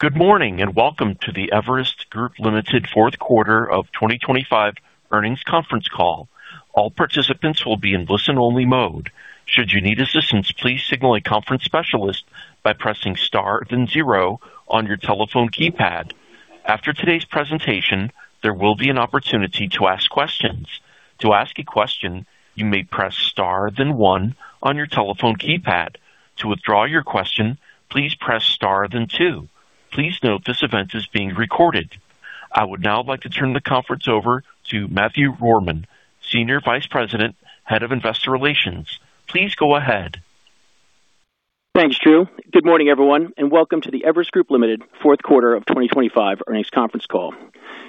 Good morning and welcome to the Everest Group, Ltd. 4th quarter of 2025 earnings conference call. All participants will be in listen-only mode. Should you need assistance, please signal a conference specialist by pressing * then 0 on your telephone keypad. After today's presentation, there will be an opportunity to ask questions. To ask a question, you may press * then 1 on your telephone keypad. To withdraw your question, please press * then 2. Please note this event is being recorded. I would now like to turn the conference over to Matthew Rohrmann, Senior Vice President, Head of Investor Relations. Please go ahead. Thanks, Drew. Good morning, everyone, and welcome to the Everest Group Limited 4th quarter of 2025 earnings conference call.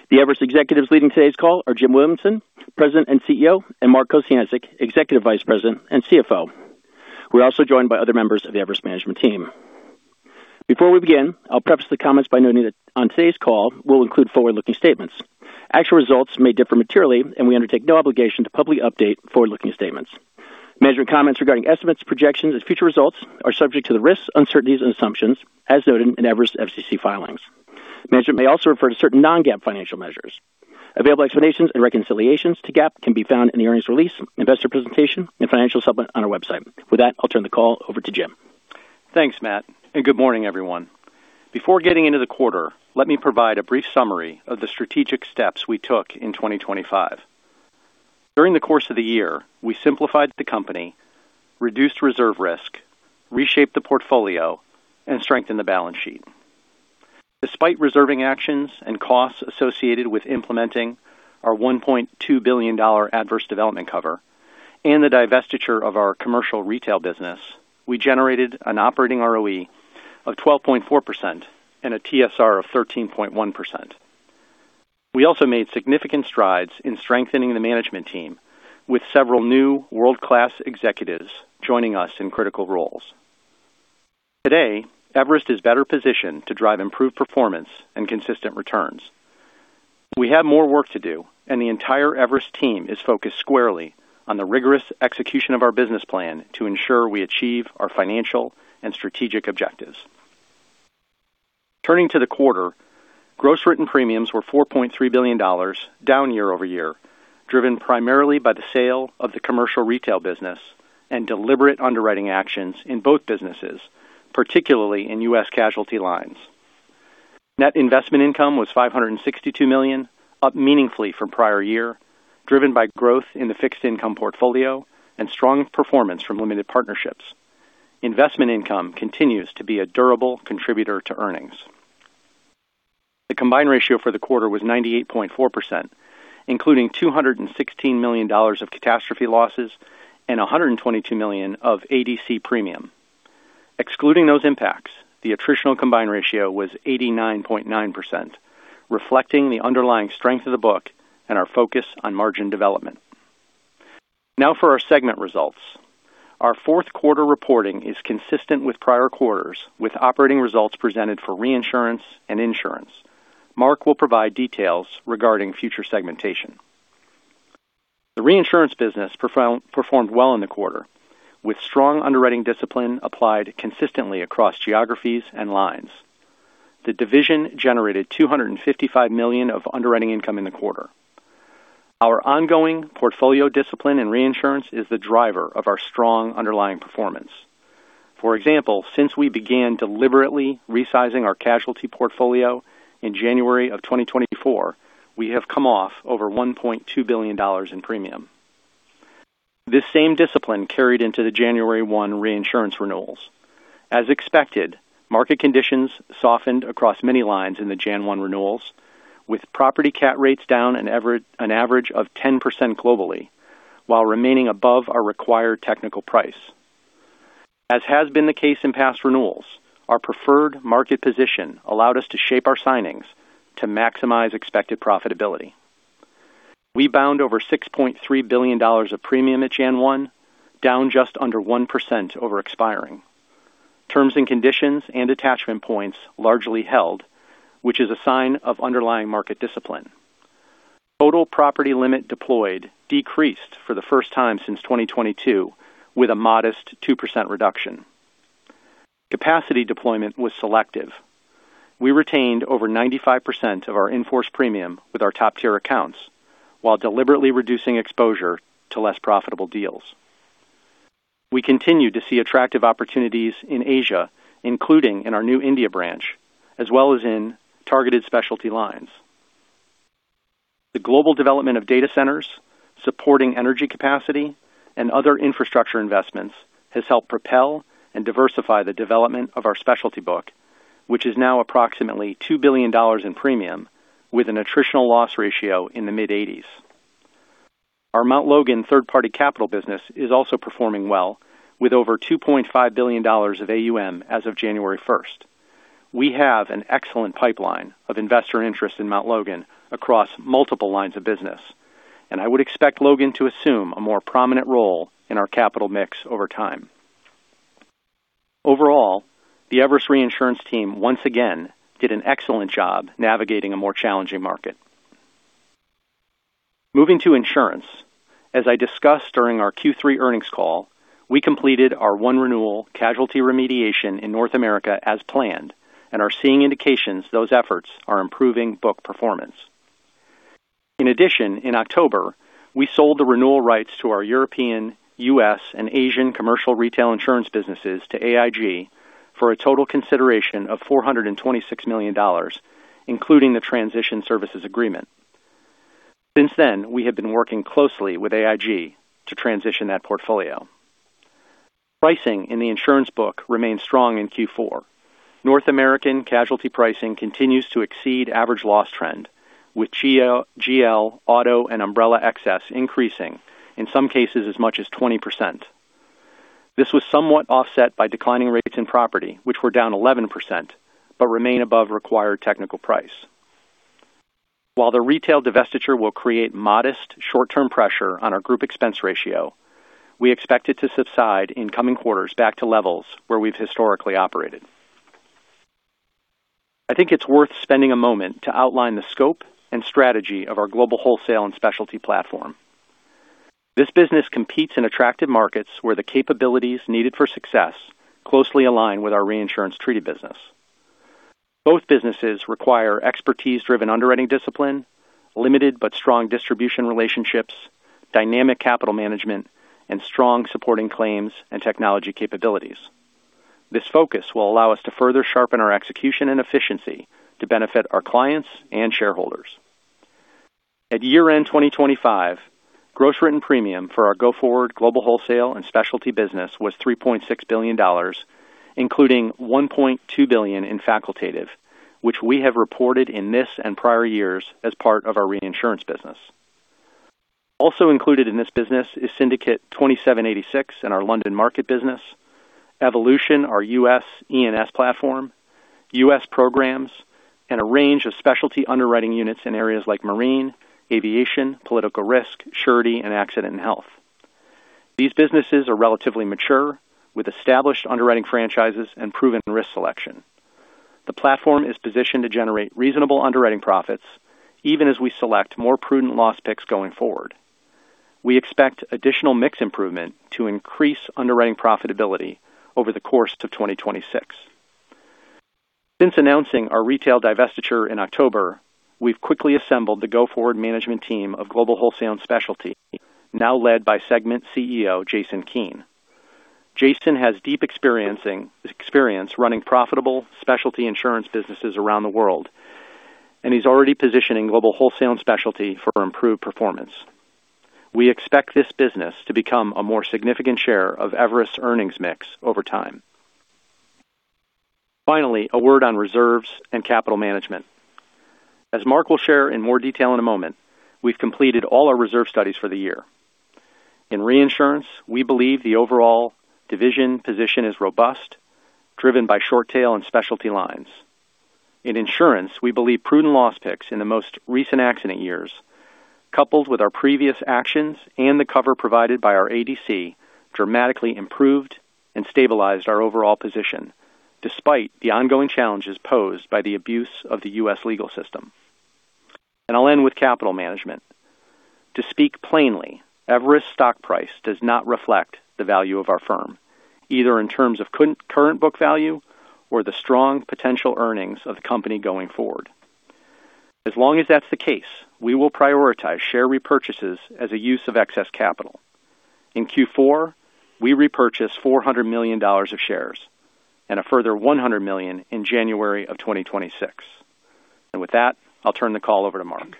The Everest executives leading today's call are Jim Williamson, President and CEO, and Mark Kociancic, Executive Vice President and CFO. We're also joined by other members of the Everest management team. Before we begin, I'll preface the comments by noting that on today's call we'll include forward-looking statements. Actual results may differ materially, and we undertake no obligation to publicly update forward-looking statements. Management comments regarding estimates, projections, and future results are subject to the risks, uncertainties, and assumptions as noted in Everest SEC filings. Management may also refer to certain non-GAAP financial measures. Available explanations and reconciliations to GAAP can be found in the earnings release, investor presentation, and financial supplement on our website. With that, I'll turn the call over to Jim. Thanks, Matt, and good morning, everyone. Before getting into the quarter, let me provide a brief summary of the strategic steps we took in 2025. During the course of the year, we simplified the company, reduced reserve risk, reshaped the portfolio, and strengthened the balance sheet. Despite reserving actions and costs associated with implementing our $1.2 billion adverse development cover and the divestiture of our commercial retail business, we generated an operating ROE of 12.4% and a TSR of 13.1%. We also made significant strides in strengthening the management team, with several new world-class executives joining us in critical roles. Today, Everest is better positioned to drive improved performance and consistent returns. We have more work to do, and the entire Everest team is focused squarely on the rigorous execution of our business plan to ensure we achieve our financial and strategic objectives. Turning to the quarter, gross written premiums were $4.3 billion, down year-over-year, driven primarily by the sale of the commercial retail business and deliberate underwriting actions in both businesses, particularly in U.S. casualty lines. Net investment income was $562 million, up meaningfully from prior year, driven by growth in the fixed income portfolio and strong performance from limited partnerships. Investment income continues to be a durable contributor to earnings. The combined ratio for the quarter was 98.4%, including $216 million of catastrophe losses and $122 million of ADC premium. Excluding those impacts, the attritional combined ratio was 89.9%, reflecting the underlying strength of the book and our focus on margin development. Now for our segment results. Our fourth quarter reporting is consistent with prior quarters, with operating results presented for reinsurance and insurance. Mark will provide details regarding future segmentation. The reinsurance business performed well in the quarter, with strong underwriting discipline applied consistently across geographies and lines. The division generated $255 million of underwriting income in the quarter. Our ongoing portfolio discipline in reinsurance is the driver of our strong underlying performance. For example, since we began deliberately resizing our casualty portfolio in January of 2024, we have come off over $1.2 billion in premium. This same discipline carried into the January 1 reinsurance renewals. As expected, market conditions softened across many lines in the January 1 renewals, with property CAT rates down an average of 10% globally while remaining above our required technical price. As has been the case in past renewals, our preferred market position allowed us to shape our signings to maximize expected profitability. We bound over $6.3 billion of premium at Jan 1, down just under 1% over expiring. Terms and conditions and attachment points largely held, which is a sign of underlying market discipline. Total property limit deployed decreased for the first time since 2022, with a modest 2% reduction. Capacity deployment was selective. We retained over 95% of our enforced premium with our top-tier accounts, while deliberately reducing exposure to less profitable deals. We continue to see attractive opportunities in Asia, including in our new India branch, as well as in targeted specialty lines. The global development of data centers, supporting energy capacity, and other infrastructure investments has helped propel and diversify the development of our specialty book, which is now approximately $2 billion in premium, with an attritional loss ratio in the mid-80s. Our Mount Logan third-party capital business is also performing well, with over $2.5 billion of AUM as of January 1. We have an excellent pipeline of investor interest in Mount Logan across multiple lines of business, and I would expect Logan to assume a more prominent role in our capital mix over time. Overall, the Everest Reinsurance team once again did an excellent job navigating a more challenging market. Moving to insurance. As I discussed during our Q3 earnings call, we completed our one-renewal casualty remediation in North America as planned and are seeing indications those efforts are improving book performance. In addition, in October, we sold the renewal rights to our European, U.S., and Asian commercial retail insurance businesses to AIG for a total consideration of $426 million, including the transition services agreement. Since then, we have been working closely with AIG to transition that portfolio. Pricing in the insurance book remains strong in Q4. North American casualty pricing continues to exceed average loss trend, with GL, Auto and Umbrella Excess increasing, in some cases as much as 20%. This was somewhat offset by declining rates in property, which were down 11% but remain above required technical price. While the retail divestiture will create modest short-term pressure on our group expense ratio, we expect it to subside in coming quarters back to levels where we've historically operated. I think it's worth spending a moment to outline the scope and strategy of our Global Wholesale and Specialty platform. This business competes in attractive markets where the capabilities needed for success closely align with our reinsurance treaty business. Both businesses require expertise-driven underwriting discipline, limited but strong distribution relationships, dynamic capital management, and strong supporting claims and technology capabilities. This focus will allow us to further sharpen our execution and efficiency to benefit our clients and shareholders. At year-end 2025, gross written premium for our go-forward Global Wholesale and Specialty business was $3.6 billion, including $1.2 billion in facultative, which we have reported in this and prior years as part of our reinsurance business. Also included in this business is Syndicate 2786 and our London Market business, Evolution, our U.S. E&S platform, U.S. Programs, and a range of specialty underwriting units in areas like Marine, Aviation, Political Risk, Surety, and Accident and Health. These businesses are relatively mature, with established underwriting franchises and proven risk selection. The platform is positioned to generate reasonable underwriting profits, even as we select more prudent loss picks going forward. We expect additional mix improvement to increase underwriting profitability over the course of 2026. Since announcing our retail divestiture in October, we've quickly assembled the go-forward management team of Global Wholesale and Specialty, now led by Segment CEO Jason Keen. Jason has deep experience running profitable specialty insurance businesses around the world, and he's already positioning Global Wholesale and Specialty for improved performance. We expect this business to become a more significant share of Everest's earnings mix over time. Finally, a word on reserves and capital management. As Mark will share in more detail in a moment, we've completed all our reserve studies for the year. In reinsurance, we believe the overall division position is robust, driven by short-tail and specialty lines. In insurance, we believe prudent loss picks in the most recent accident years, coupled with our previous actions and the cover provided by our ADC, dramatically improved and stabilized our overall position despite the ongoing challenges posed by the abuse of the U.S. legal system. I'll end with capital management. To speak plainly, Everest's stock price does not reflect the value of our firm, either in terms of current book value or the strong potential earnings of the company going forward. As long as that's the case, we will prioritize share repurchases as a use of excess capital. In Q4, we repurchased $400 million of shares and a further $100 million in January of 2026. With that, I'll turn the call over to Mark.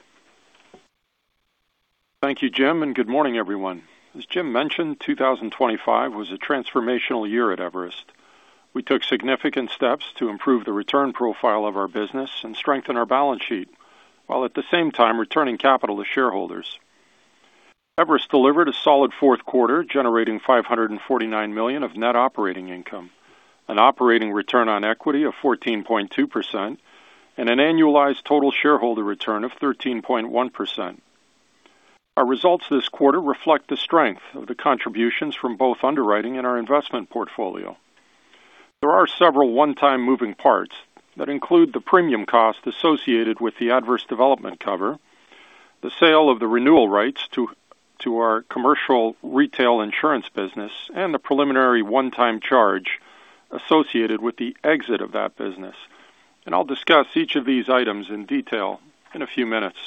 Thank you, Jim, and good morning, everyone. As Jim mentioned, 2025 was a transformational year at Everest. We took significant steps to improve the return profile of our business and strengthen our balance sheet, while at the same time returning capital to shareholders. Everest delivered a solid 4th quarter generating $549 million of net operating income, an operating return on equity of 14.2%, and an annualized total shareholder return of 13.1%. Our results this quarter reflect the strength of the contributions from both underwriting and our investment portfolio. There are several one-time moving parts that include the premium cost associated with the adverse development cover, the sale of the renewal rights to our commercial retail insurance business, and the preliminary one-time charge associated with the exit of that business. I'll discuss each of these items in detail in a few minutes.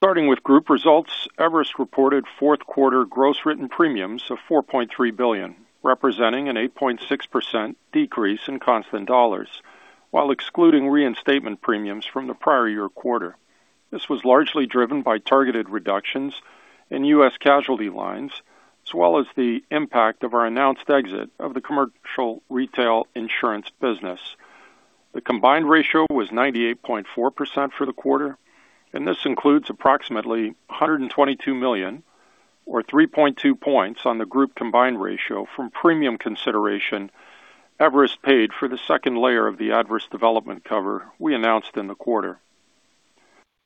Starting with group results, Everest reported 4th quarter gross written premiums of $4.3 billion, representing an 8.6% decrease in constant dollars, while excluding reinstatement premiums from the prior year quarter. This was largely driven by targeted reductions in U.S. casualty lines as well as the impact of our announced exit of the commercial retail insurance business. The combined ratio was 98.4% for the quarter, and this includes approximately $122 million, or 3.2 points, on the group combined ratio from premium consideration Everest paid for the second layer of the adverse development cover we announced in the quarter.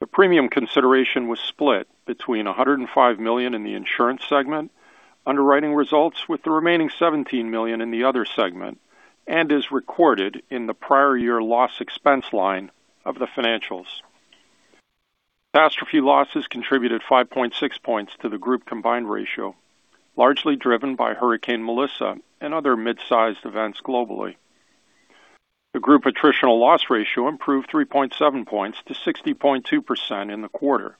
The premium consideration was split between $105 million in the insurance segment, underwriting results with the remaining $17 million in the other segment, and is recorded in the prior year loss expense line of the financials. Catastrophe losses contributed 5.6 points to the group combined ratio, largely driven by Hurricane Melissa and other mid-sized events globally. The group attritional loss ratio improved 3.7 points to 60.2% in the quarter,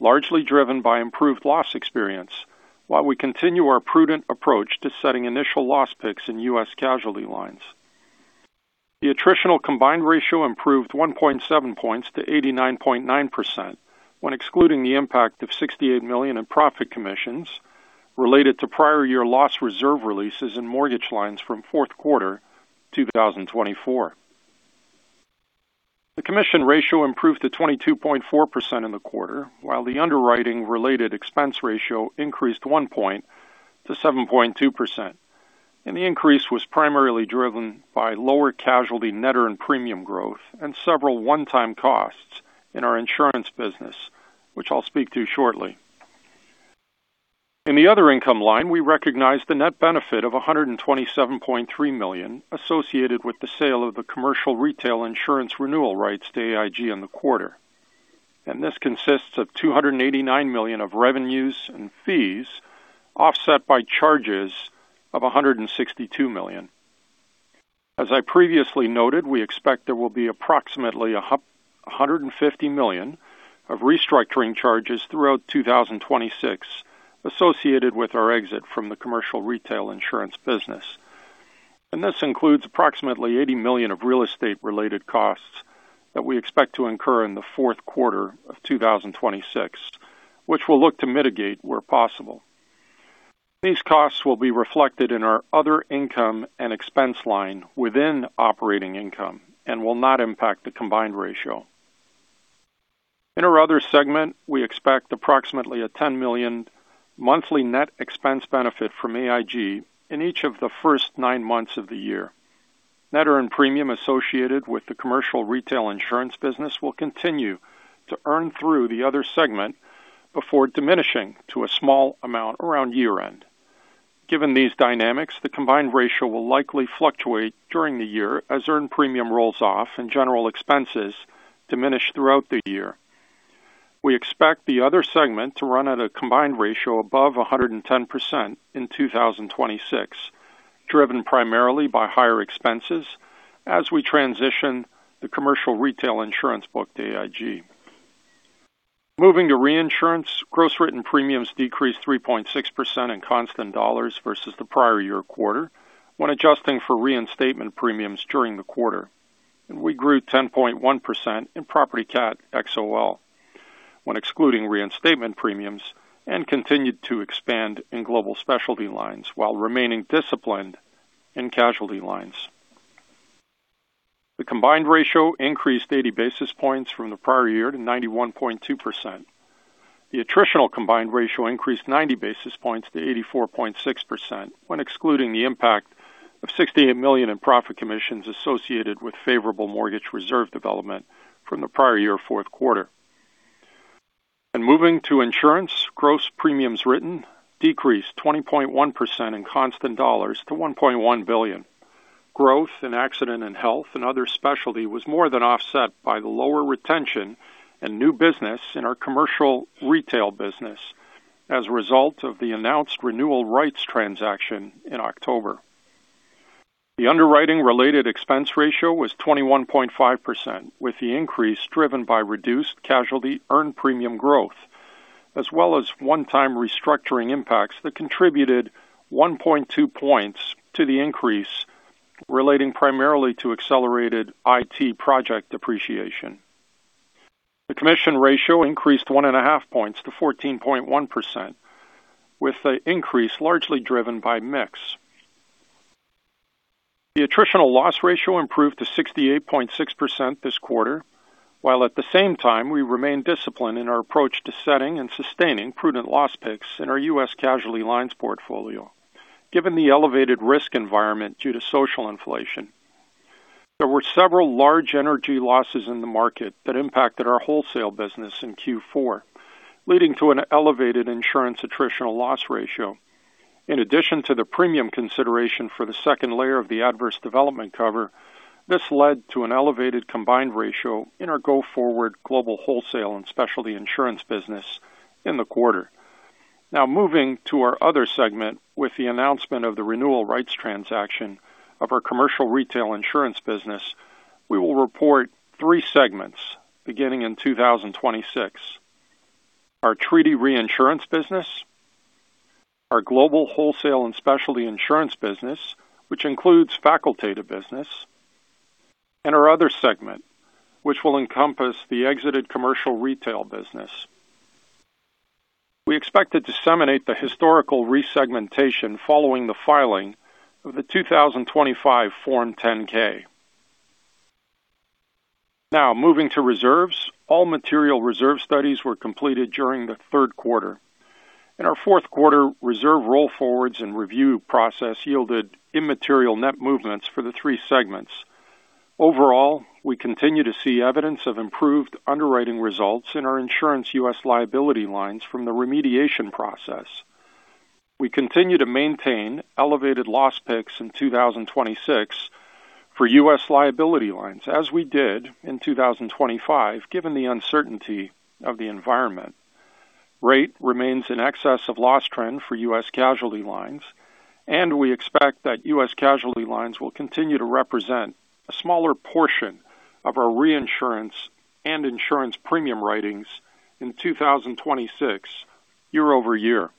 largely driven by improved loss experience, while we continue our prudent approach to setting initial loss picks in U.S. casualty lines. The attritional combined ratio improved 1.7 points to 89.9% when excluding the impact of $68 million in profit commissions related to prior year loss reserve releases in mortgage lines from 4th quarter 2024. The commission ratio improved to 22.4% in the quarter, while the underwriting-related expense ratio increased 1 point to 7.2%. The increase was primarily driven by lower casualty net earned premium growth and several one-time costs in our insurance business, which I'll speak to shortly. In the other income line, we recognized the net benefit of $127.3 million associated with the sale of the commercial retail insurance renewal rights to AIG in the quarter. This consists of $289 million of revenues and fees offset by charges of $162 million. As I previously noted, we expect there will be approximately $150 million of restructuring charges throughout 2026 associated with our exit from the commercial retail insurance business. This includes approximately $80 million of real estate-related costs that we expect to incur in the 4th quarter of 2026, which we'll look to mitigate where possible. These costs will be reflected in our other income and expense line within operating income and will not impact the combined ratio. In our other segment, we expect approximately a $10 million monthly net expense benefit from AIG in each of the first nine months of the year. Net earned premium associated with the commercial retail insurance business will continue to earn through the other segment before diminishing to a small amount around year-end. Given these dynamics, the combined ratio will likely fluctuate during the year as earned premium rolls off and general expenses diminish throughout the year. We expect the other segment to run at a combined ratio above 110% in 2026, driven primarily by higher expenses as we transition the commercial retail insurance book to AIG. Moving to reinsurance, gross written premiums decreased 3.6% in constant dollars versus the prior year quarter when adjusting for reinstatement premiums during the quarter. We grew 10.1% in property CAT XOL when excluding reinstatement premiums and continued to expand in global specialty lines while remaining disciplined in casualty lines. The combined ratio increased 80 basis points from the prior year to 91.2%. The attritional combined ratio increased 90 basis points to 84.6% when excluding the impact of $68 million in profit commissions associated with favorable mortgage reserve development from the prior year 4th quarter. Moving to insurance, gross premiums written decreased 20.1% in constant dollars to $1.1 billion. Growth in accident and health and other specialty was more than offset by the lower retention and new business in our commercial retail business as a result of the announced renewal rights transaction in October. The underwriting-related expense ratio was 21.5% with the increase driven by reduced casualty earned premium growth as well as one-time restructuring impacts that contributed 1.2 points to the increase relating primarily to accelerated IT project depreciation. The commission ratio increased 1.5 points to 14.1% with the increase largely driven by mix. The attritional loss ratio improved to 68.6% this quarter, while at the same time we remain disciplined in our approach to setting and sustaining prudent loss picks in our U.S. casualty lines portfolio given the elevated risk environment due to social inflation. There were several large energy losses in the market that impacted our wholesale business in Q4, leading to an elevated insurance attritional loss ratio. In addition to the premium consideration for the second layer of the adverse development cover, this led to an elevated combined ratio in our go-forward global wholesale and specialty insurance business in the quarter. Now, moving to our other segment with the announcement of the renewal rights transaction of our commercial retail insurance business, we will report three segments beginning in 2026: our treaty reinsurance business, our global wholesale and specialty insurance business, which includes facultative business, and our other segment, which will encompass the exited commercial retail business. We expect to disseminate the historical resegmentation following the filing of the 2025 Form 10-K. Now, moving to reserves, all material reserve studies were completed during the third quarter. In our fourth quarter, reserve roll-forwards and review process yielded immaterial net movements for the three segments. Overall, we continue to see evidence of improved underwriting results in our insurance U.S. liability lines from the remediation process. We continue to maintain elevated loss picks in 2026 for U.S. liability lines as we did in 2025 given the uncertainty of the environment. Rate remains in excess of loss trend for U.S. casualty lines, and we expect that U.S. casualty lines will continue to represent a smaller portion of our reinsurance and insurance premium writings in 2026 year-over-year.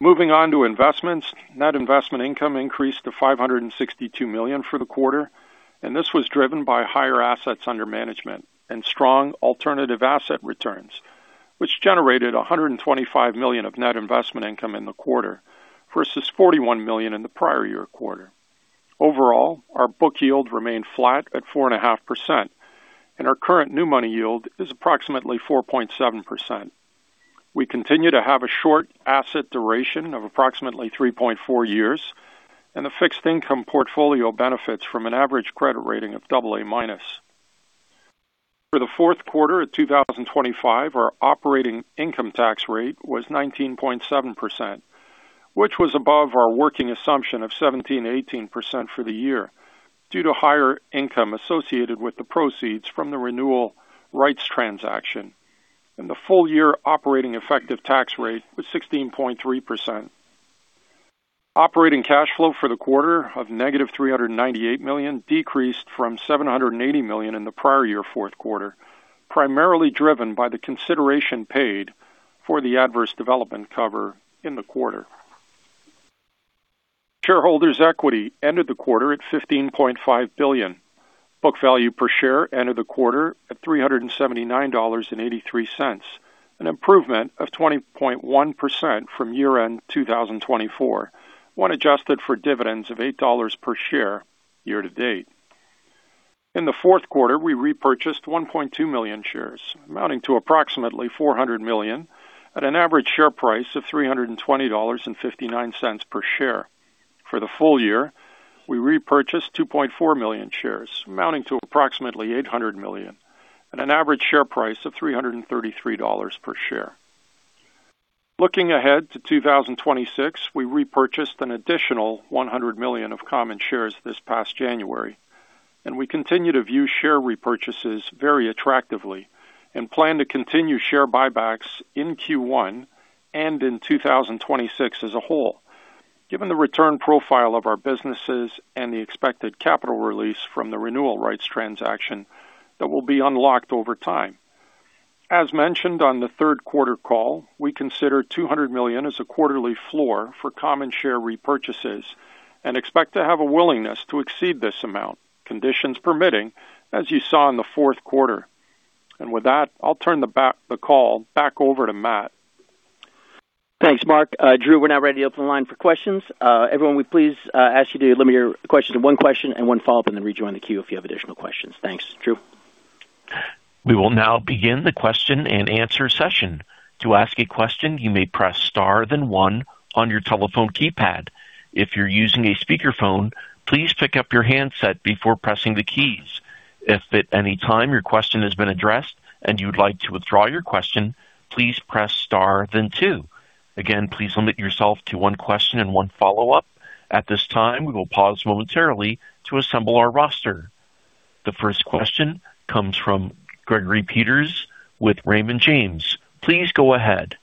Moving on to investments, net investment income increased to $562 million for the quarter, and this was driven by higher assets under management and strong alternative asset returns, which generated $125 million of net investment income in the quarter versus $41 million in the prior year quarter. Overall, our book yield remained flat at 4.5%, and our current new money yield is approximately 4.7%. We continue to have a short asset duration of approximately 3.4 years, and the fixed income portfolio benefits from an average credit rating of AA-. For the 4th quarter of 2025, our operating income tax rate was 19.7%, which was above our working assumption of 17%, 18% for the year due to higher income associated with the proceeds from the renewal rights transaction. The full-year operating effective tax rate was 16.3%. Operating cash flow for the quarter of negative $398 million decreased from $780 million in the prior year 4th quarter, primarily driven by the consideration paid for the Adverse Development Cover in the quarter. Shareholders' equity ended the quarter at $15.5 billion. Book value per share ended the quarter at $379.83, an improvement of 20.1% from year-end 2024 when adjusted for dividends of $8 per share year to date. In the 4th quarter, we repurchased 1.2 million shares, amounting to approximately $400 million at an average share price of $320.59 per share. For the full year, we repurchased 2.4 million shares, amounting to approximately $800 million at an average share price of $333 per share. Looking ahead to 2026, we repurchased an additional $100 million of common shares this past January. We continue to view share repurchases very attractively and plan to continue share buybacks in Q1 and in 2026 as a whole given the return profile of our businesses and the expected capital release from the renewal rights transaction that will be unlocked over time. As mentioned on the 3rd quarter call, we consider $200 million as a quarterly floor for common share repurchases and expect to have a willingness to exceed this amount, conditions permitting, as you saw in the 4th quarter. With that, I'll turn the call back over to Matt. Thanks, Mark. Drew, we're now ready to open the line for questions. Everyone, we please ask you to limit your questions to one question and one follow-up and then rejoin the queue if you have additional questions. Thanks, Drew. We will now begin the question and answer session. To ask a question, you may press star then one on your telephone keypad. If you're using a speakerphone, please pick up your handset before pressing the keys. If at any time your question has been addressed and you'd like to withdraw your question, please press star then two. Again, please limit yourself to one question and one follow-up. At this time, we will pause momentarily to assemble our roster. The first question comes from Gregory Peters with Raymond James. Please go ahead.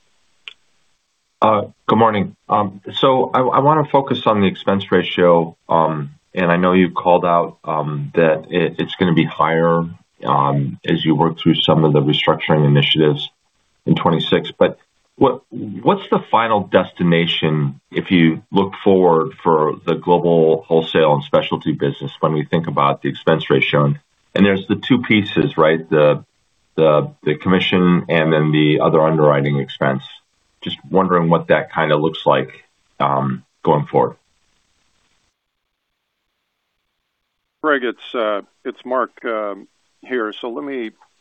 Good morning. So I want to focus on the expense ratio, and I know you called out that it's going to be higher as you work through some of the restructuring initiatives in 2026. But what's the final destination if you look forward for the Global Wholesale and Specialty business when we think about the expense ratio? And there's the two pieces, right? The commission and then the other underwriting expense. Just wondering what that kind of looks like going forward. Greg, it's Mark here. So let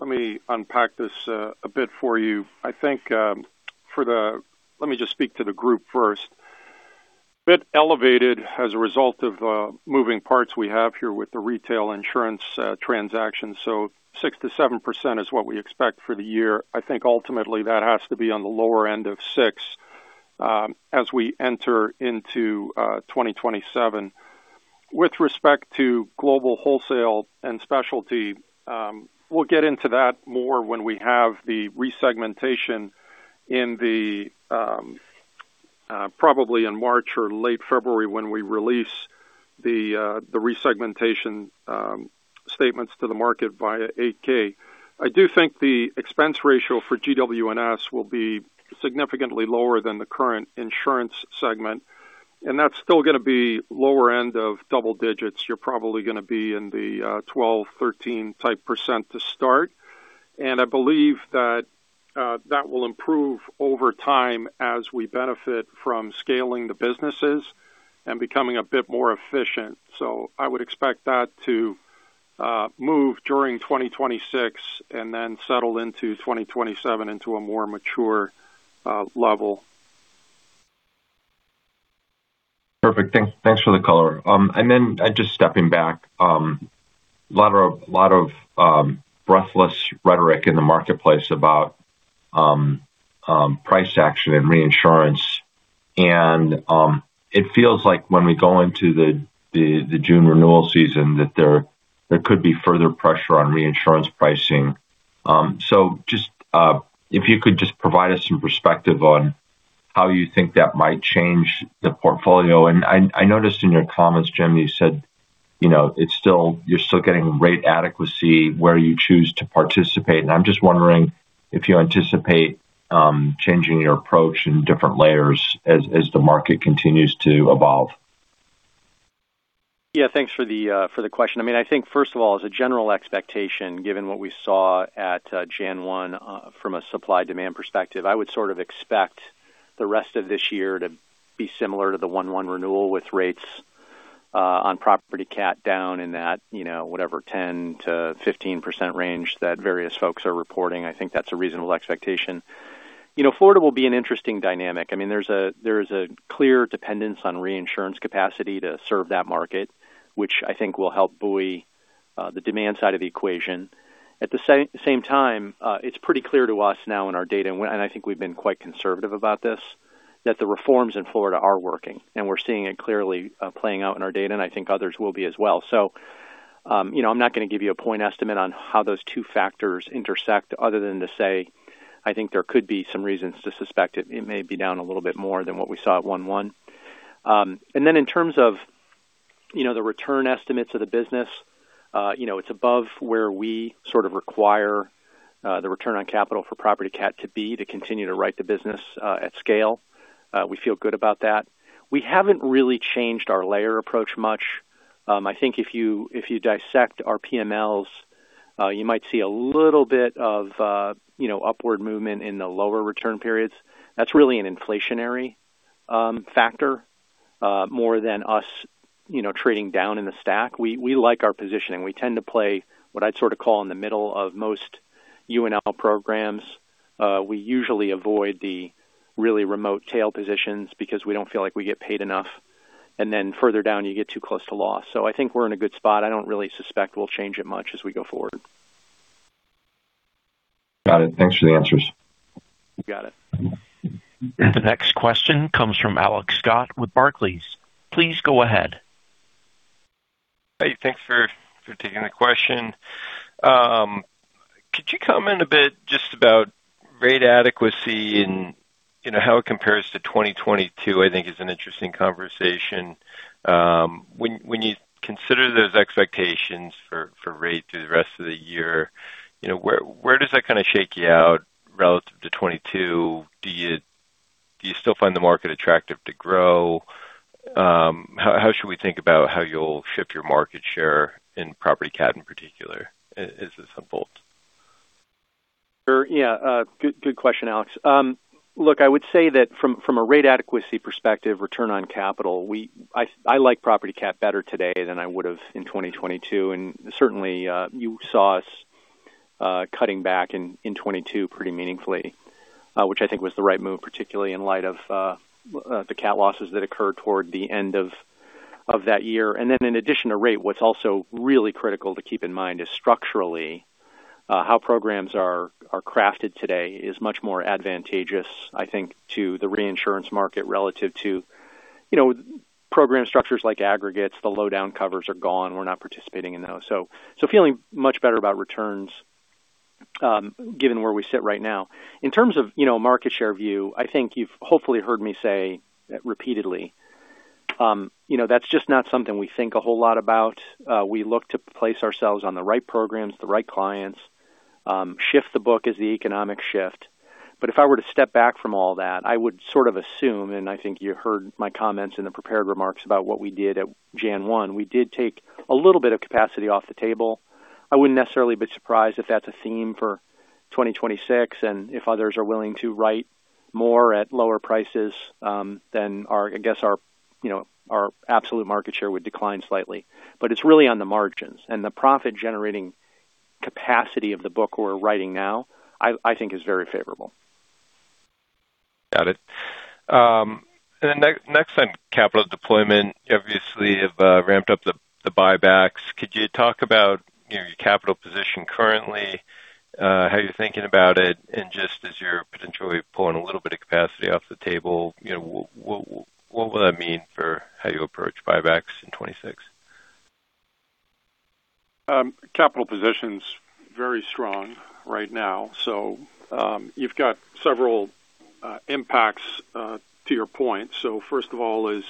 me unpack this a bit for you. I think, let me just speak to the group first. A bit elevated as a result of the moving parts we have here with the retail insurance transactions. So 6%-7% is what we expect for the year. I think ultimately that has to be on the lower end of 6% as we enter into 2027. With respect to Global Wholesale and Specialty, we'll get into that more when we have the resegmentation in the probably in March or late February when we release the resegmentation statements to the market via 8-K. I do think the expense ratio for GW&S will be significantly lower than the current insurance segment. And that's still going to be lower end of double digits. You're probably going to be in the 12%, 13% type % to start. I believe that that will improve over time as we benefit from scaling the businesses and becoming a bit more efficient. I would expect that to move during 2026 and then settle into 2027 into a more mature level. Perfect. Thanks for the color. And then just stepping back, a lot of breathless rhetoric in the marketplace about price action and reinsurance. And it feels like when we go into the June renewal season that there could be further pressure on reinsurance pricing. So if you could just provide us some perspective on how you think that might change the portfolio. And I noticed in your comments, Jim, you said you're still getting rate adequacy where you choose to participate. And I'm just wondering if you anticipate changing your approach in different layers as the market continues to evolve. Yeah, thanks for the question. I mean, I think, first of all, as a general expectation, given what we saw at January 1 from a supply-demand perspective, I would sort of expect the rest of this year to be similar to the 1/1 renewal with rates on property CAT down in that, whatever, 10% to 15% range that various folks are reporting. I think that's a reasonable expectation. Florida will be an interesting dynamic. I mean, there's a clear dependence on reinsurance capacity to serve that market, which I think will help buoy the demand side of the equation. At the same time, it's pretty clear to us now in our data, and I think we've been quite conservative about this, that the reforms in Florida are working. And we're seeing it clearly playing out in our data, and I think others will be as well. So I'm not going to give you a point estimate on how those two factors intersect other than to say I think there could be some reasons to suspect it may be down a little bit more than what we saw at 1/1. And then in terms of the return estimates of the business, it's above where we sort of require the return on capital for property CAT to be to continue to write the business at scale. We feel good about that. We haven't really changed our layer approach much. I think if you dissect our PMLs, you might see a little bit of upward movement in the lower return periods. That's really an inflationary factor more than us trading down in the stack. We like our positioning. We tend to play what I'd sort of call in the middle of most UNL programs. We usually avoid the really remote tail positions because we don't feel like we get paid enough. And then further down, you get too close to loss. So I think we're in a good spot. I don't really suspect we'll change it much as we go forward. Got it. Thanks for the answers. You got it. The next question comes from Alex Scott with Barclays. Please go ahead. Hey, thanks for taking the question. Could you comment a bit just about rate adequacy and how it compares to 2022? I think it's an interesting conversation. When you consider those expectations for rate through the rest of the year, where does that kind of shake you out relative to '22? Do you still find the market attractive to grow? How should we think about how you'll shift your market share in property CAT in particular? As this unfolds? Yeah, good question, Alex. Look, I would say that from a rate adequacy perspective, return on capital, I like property CAT better today than I would have in 2022. And certainly, you saw us cutting back in 2022 pretty meaningfully, which I think was the right move, particularly in light of the CAT losses that occurred toward the end of that year. And then in addition to rate, what's also really critical to keep in mind is structurally, how programs are crafted today is much more advantageous, I think, to the reinsurance market relative to program structures like aggregates. The low-down covers are gone. We're not participating in those. So feeling much better about returns given where we sit right now. In terms of market share view, I think you've hopefully heard me say repeatedly that's just not something we think a whole lot about. We look to place ourselves on the right programs, the right clients, shift the book as the economics shift. But if I were to step back from all that, I would sort of assume and I think you heard my comments in the prepared remarks about what we did at January 1, we did take a little bit of capacity off the table. I wouldn't necessarily be surprised if that's a theme for 2026. And if others are willing to write more at lower prices, then I guess our absolute market share would decline slightly. But it's really on the margins. And the profit-generating capacity of the book we're writing now, I think, is very favorable. Got it. And then next on capital deployment, obviously, you've ramped up the buybacks. Could you talk about your capital position currently, how you're thinking about it, and just as you're potentially pulling a little bit of capacity off the table, what will that mean for how you approach buybacks in 2026? Capital positions very strong right now. So you've got several impacts to your point. So first of all, is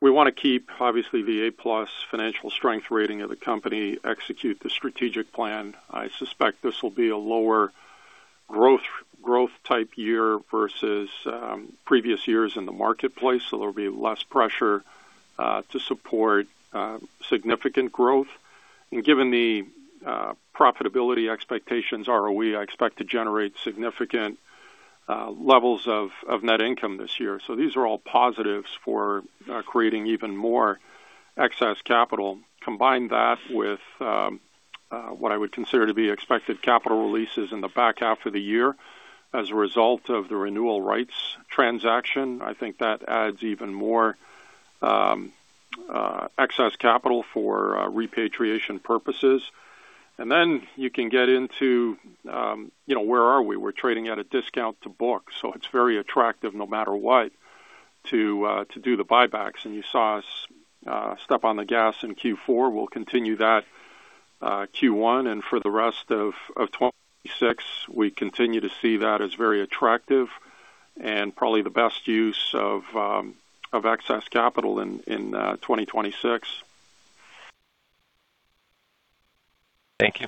we want to keep, obviously, the A+ financial strength rating of the company, execute the strategic plan. I suspect this will be a lower growth-type year versus previous years in the marketplace. So there'll be less pressure to support significant growth. And given the profitability expectations, ROE, I expect to generate significant levels of net income this year. So these are all positives for creating even more excess capital. Combine that with what I would consider to be expected capital releases in the back half of the year as a result of the renewal rights transaction, I think that adds even more excess capital for repatriation purposes. And then you can get into where are we? We're trading at a discount to book. It's very attractive no matter what to do the buybacks. You saw us step on the gas in Q4. We'll continue that Q1. For the rest of 2026, we continue to see that as very attractive and probably the best use of excess capital in 2026. Thank you.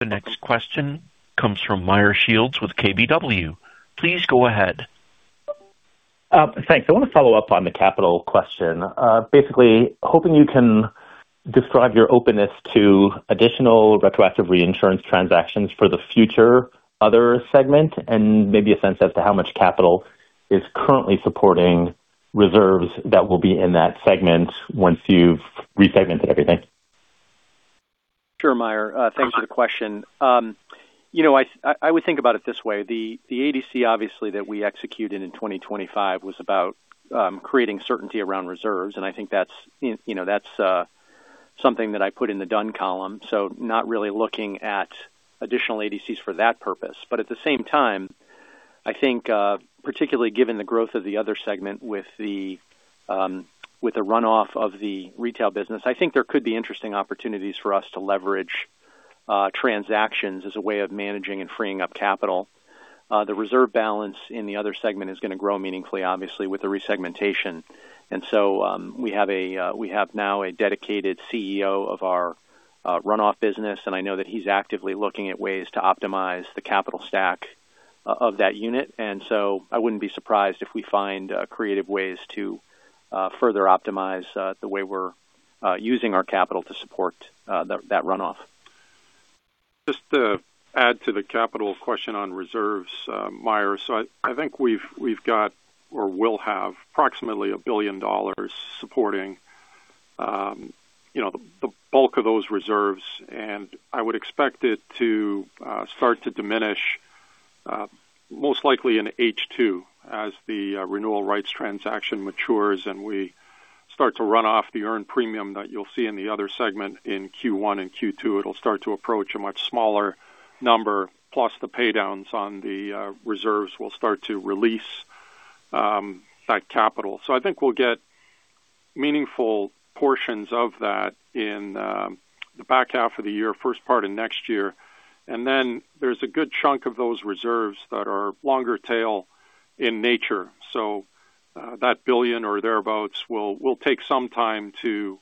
The next question comes from Meyer Shields with KBW. Please go ahead. Thanks. I want to follow up on the capital question. Basically, hoping you can describe your openness to additional retroactive reinsurance transactions for the future other segment and maybe a sense as to how much capital is currently supporting reserves that will be in that segment once you've resegmented everything. Sure, Meyer. Thanks for the question. I would think about it this way. The ADC, obviously, that we executed in 2025 was about creating certainty around reserves. And I think that's something that I put in the done column, so not really looking at additional ADCs for that purpose. But at the same time, I think particularly given the growth of the other segment with the runoff of the retail business, I think there could be interesting opportunities for us to leverage transactions as a way of managing and freeing up capital. The reserve balance in the other segment is going to grow meaningfully, obviously, with the Resegmentation. And so we have now a dedicated CEO of our Runoff business. And I know that he's actively looking at ways to optimize the capital stack of that unit. And so I wouldn't be surprised if we find creative ways to further optimize the way we're using our capital to support that runoff. Just to add to the capital question on reserves, Meyer, so I think we've got or will have approximately $1 billion supporting the bulk of those reserves. And I would expect it to start to diminish, most likely in H2, as the renewal rights transaction matures and we start to run off the earned premium that you'll see in the other segment in Q1 and Q2. It'll start to approach a much smaller number. Plus, the paydowns on the reserves will start to release that capital. So I think we'll get meaningful portions of that in the back half of the year, first part of next year. And then there's a good chunk of those reserves that are longer tail in nature. So that $1 billion or thereabouts will take some time to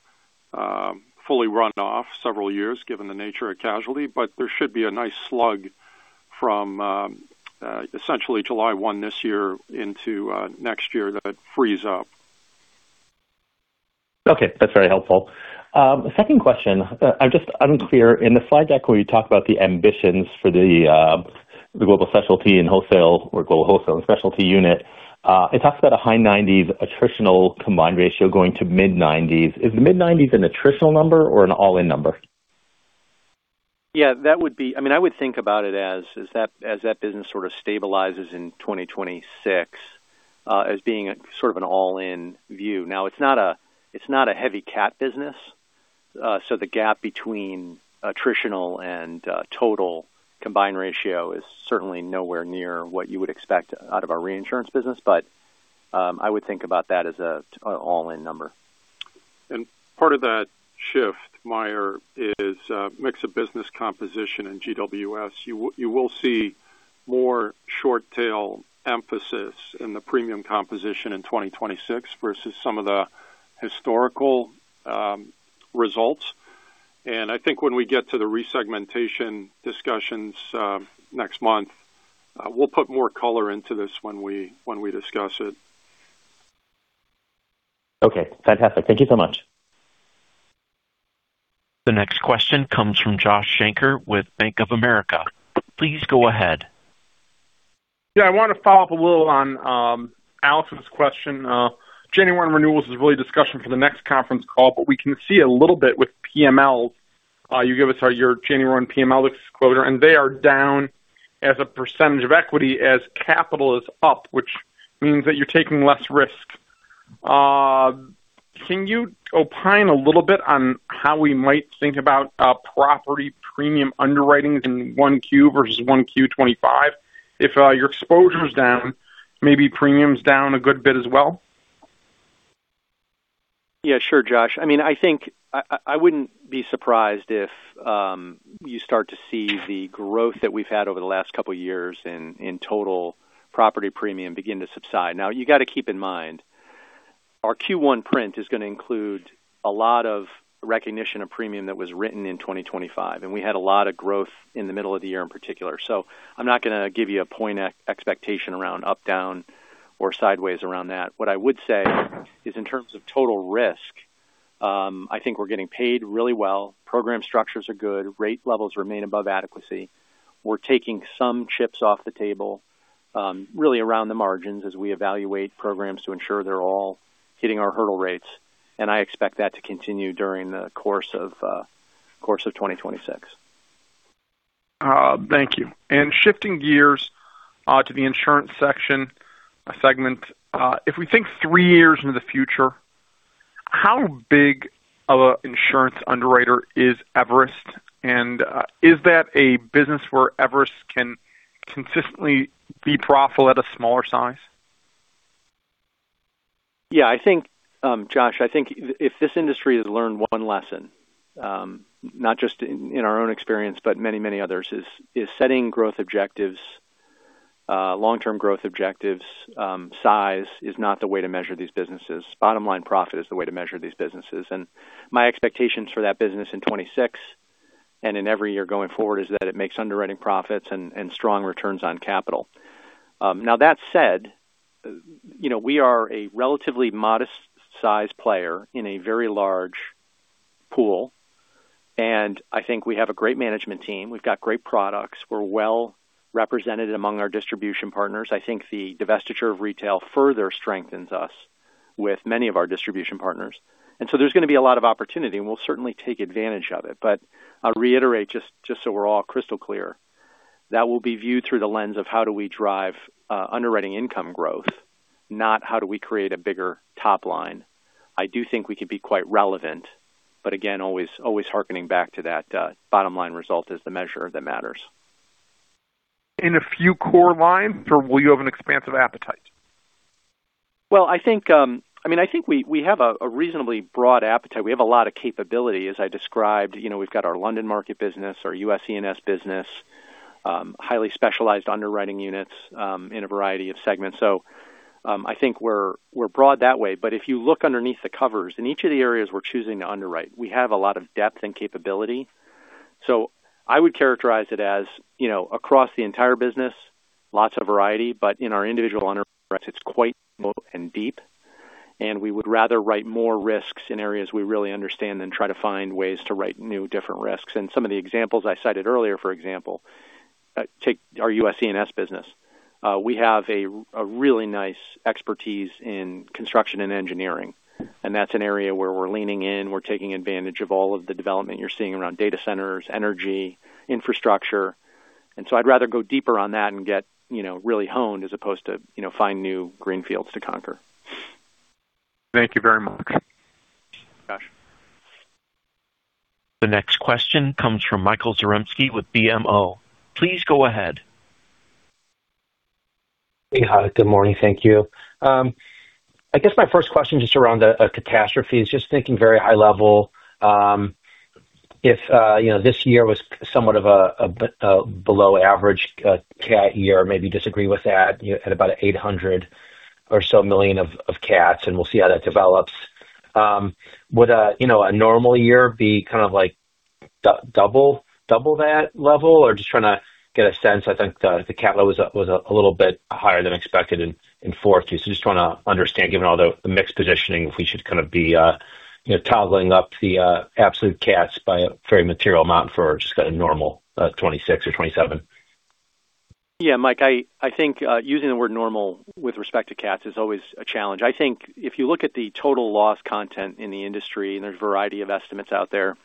fully run off several years given the nature of casualty. There should be a nice slug from essentially July 1 this year into next year that frees up. Okay. That's very helpful. Second question. I'm just unclear. In the slide deck where you talk about the ambitions for the global specialty and wholesale or global wholesale and specialty unit, it talks about a high-90s attritional combined ratio going to mid-90s. Is the mid-90s an attritional number or an all-in number? Yeah, that would be. I mean, I would think about it as that business sort of stabilizes in 2026 as being sort of an all-in view. Now, it's not a heavy cap business. So the gap between attritional and total combined ratio is certainly nowhere near what you would expect out of our reinsurance business. But I would think about that as an all-in number. Part of that shift, Meyer, is mix of business composition and GWS. You will see more short tail emphasis in the premium composition in 2026 versus some of the historical results. I think when we get to the resegmentation discussions next month, we'll put more color into this when we discuss it. Okay. Fantastic. Thank you so much. The next question comes from Joshua Shanker with Bank of America. Please go ahead. Yeah, I want to follow up a little on Alex's question. January 1 renewals is really discussion for the next conference call. But we can see a little bit with PMLs. You gave us your January 1 PML exposure. And they are down as a percentage of equity as capital is up, which means that you're taking less risk. Can you opine a little bit on how we might think about property premium underwritings in 1Q versus 1Q25? If your exposure's down, maybe premium's down a good bit as well? Yeah, sure, Josh. I mean, I think I wouldn't be surprised if you start to see the growth that we've had over the last couple of years in total property premium begin to subside. Now, you got to keep in mind our Q1 print is going to include a lot of recognition of premium that was written in 2025. And we had a lot of growth in the middle of the year in particular. So I'm not going to give you a point expectation around up, down, or sideways around that. What I would say is in terms of total risk, I think we're getting paid really well. Program structures are good. Rate levels remain above adequacy. We're taking some chips off the table, really around the margins as we evaluate programs to ensure they're all hitting our hurdle rates. I expect that to continue during the course of 2026. Thank you. And shifting gears to the insurance segment, if we think three years into the future, how big of an insurance underwriter is Everest? And is that a business where Everest can consistently be profitable at a smaller size? Yeah, Josh, I think if this industry has learned one lesson, not just in our own experience, but many, many others, is setting growth objectives, long-term growth objectives, size is not the way to measure these businesses. Bottom line profit is the way to measure these businesses. My expectations for that business in 2026 and in every year going forward is that it makes underwriting profits and strong returns on capital. Now, that said, we are a relatively modest-sized player in a very large pool. I think we have a great management team. We've got great products. We're well represented among our distribution partners. I think the divestiture of retail further strengthens us with many of our distribution partners. So there's going to be a lot of opportunity. We'll certainly take advantage of it. But I'll reiterate just so we're all crystal clear, that will be viewed through the lens of how do we drive underwriting income growth, not how do we create a bigger top line. I do think we could be quite relevant, but again, always hearkening back to that bottom line result as the measure that matters. In a few core lines, or will you have an expansive appetite? Well, I mean, I think we have a reasonably broad appetite. We have a lot of capability. As I described, we've got our London market business, our U.S. E&S business, highly specialized underwriting units in a variety of segments. So I think we're broad that way. But if you look underneath the covers, in each of the areas we're choosing to underwrite, we have a lot of depth and capability. So I would characterize it as across the entire business, lots of variety. But in our individual underwriters, it's quite small and deep. And we would rather write more risks in areas we really understand than try to find ways to write new, different risks. And some of the examples I cited earlier, for example, take our U.S. E&S business. We have a really nice expertise in construction and engineering. And that's an area where we're leaning in. We're taking advantage of all of the development you're seeing around data centers, energy, infrastructure. And so I'd rather go deeper on that and get really honed as opposed to find new greenfields to conquer. Thank you very much. Josh. The next question comes from Michael Zaremski with BMO. Please go ahead. Hey, hi. Good morning. Thank you. I guess my first question just around a catastrophe is just thinking very high level. If this year was somewhat of a below-average CAT year, maybe disagree with that, at about $800 million or so of CATs, and we'll see how that develops. Would a normal year be kind of like double that level? Or just trying to get a sense, I think the capital was a little bit higher than expected in 2024. So just want to understand, given all the mixed positioning, if we should kind of be toggling up the absolute CATs by a very material amount for just a normal 2026 or 2027. Yeah, Mike, I think using the word normal with respect to CATs is always a challenge. I think if you look at the total loss content in the industry, and there's a variety of estimates out there,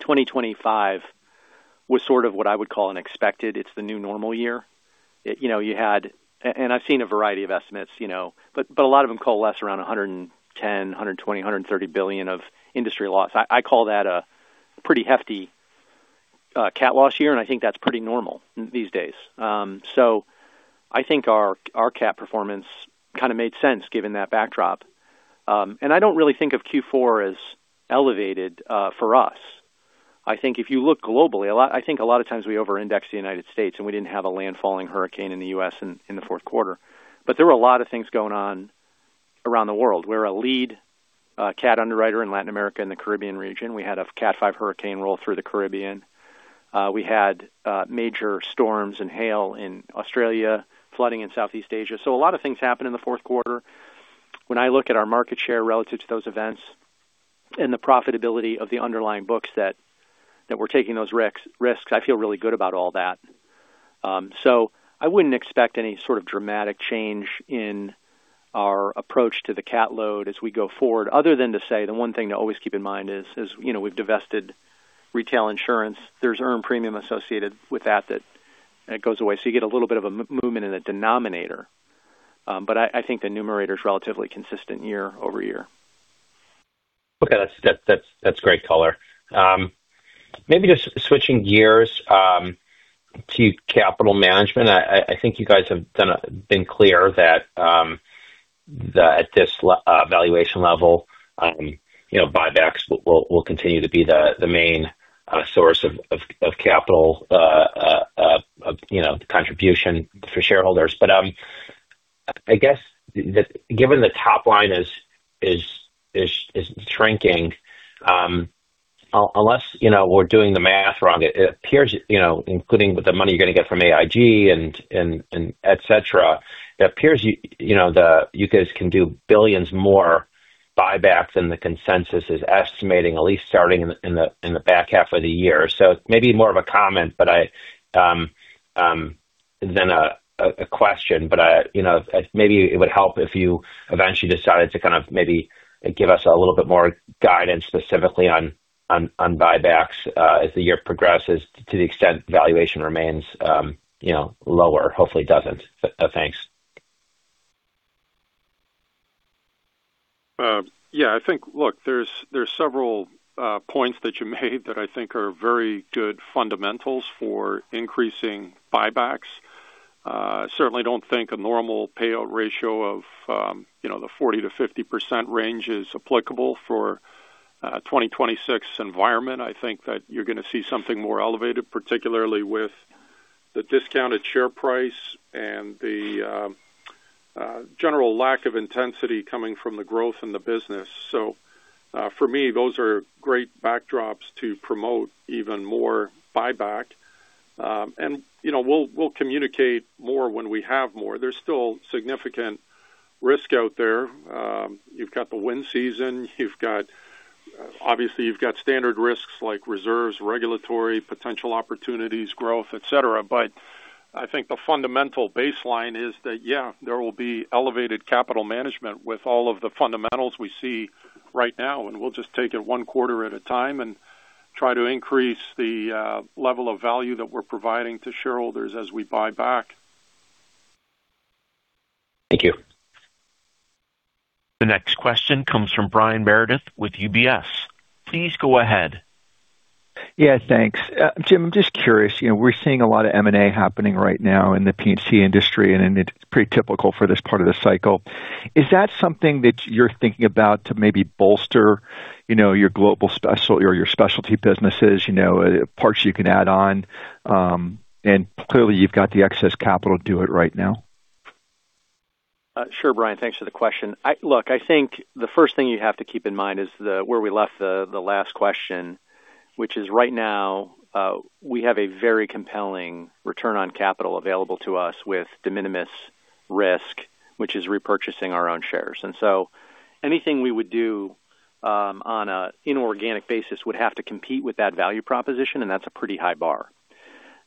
2025 was sort of what I would call an expected. It's the new normal year. You had, and I've seen a variety of estimates. But a lot of them coalesce around $110 billion, $120 billion, $130 billion of industry loss. I call that a pretty hefty CAT loss year. And I think that's pretty normal these days. So I think our CAT performance kind of made sense given that backdrop. And I don't really think of Q4 as elevated for us. I think if you look globally, I think a lot of times we over-indexed the United States. And we didn't have a landfalling hurricane in the U.S. in the fourth quarter. But there were a lot of things going on around the world. We're a lead CAT underwriter in Latin America and the Caribbean region. We had a CAT 5 hurricane roll through the Caribbean. We had major storms and hail in Australia, flooding in Southeast Asia. So a lot of things happened in the fourth quarter. When I look at our market share relative to those events and the profitability of the underlying books that we're taking those risks, I feel really good about all that. So I wouldn't expect any sort of dramatic change in our approach to the CAT load as we go forward, other than to say the one thing to always keep in mind is we've divested retail insurance. There's earned premium associated with that that goes away. So you get a little bit of a movement in the denominator. But I think the numerator is relatively consistent year-over-year. Okay. That's great color. Maybe just switching gears to capital management, I think you guys have been clear that at this valuation level, buybacks will continue to be the main source of capital, the contribution for shareholders. But I guess given the top line is shrinking, unless we're doing the math wrong, it appears, including with the money you're going to get from AIG, etc., it appears you guys can do billions more buybacks than the consensus is estimating, at least starting in the back half of the year. So maybe more of a comment than a question. But maybe it would help if you eventually decided to kind of maybe give us a little bit more guidance specifically on buybacks as the year progresses to the extent valuation remains lower, hopefully doesn't. Thanks. Yeah, I think, look, there's several points that you made that I think are very good fundamentals for increasing buybacks. Certainly, don't think a normal payout ratio of the 40%-50% range is applicable for 2026 environment. I think that you're going to see something more elevated, particularly with the discounted share price and the general lack of intensity coming from the growth in the business. So for me, those are great backdrops to promote even more buyback. And we'll communicate more when we have more. There's still significant risk out there. You've got the wind season. Obviously, you've got standard risks like reserves, regulatory, potential opportunities, growth, etc. But I think the fundamental baseline is that, yeah, there will be elevated capital management with all of the fundamentals we see right now. We'll just take it one quarter at a time and try to increase the level of value that we're providing to shareholders as we buy back. Thank you. The next question comes from Brian Meredith with UBS. Please go ahead. Yeah, thanks. Jim, I'm just curious. We're seeing a lot of M&A happening right now in the P&C industry. And it's pretty typical for this part of the cycle. Is that something that you're thinking about to maybe bolster your global or your specialty businesses, parts you can add on? And clearly, you've got the excess capital to do it right now. Sure, Brian. Thanks for the question. Look, I think the first thing you have to keep in mind is where we left the last question, which is right now, we have a very compelling return on capital available to us with de minimis risk, which is repurchasing our own shares. And so anything we would do on an inorganic basis would have to compete with that value proposition. And that's a pretty high bar.